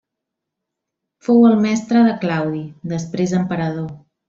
Fou el mestre de Claudi, després emperador.